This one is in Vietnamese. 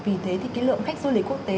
vì thế thì cái lượng khách du lịch quốc tế